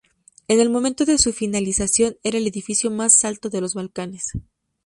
En el momento de su finalización era el edificio más alto de los Balcanes.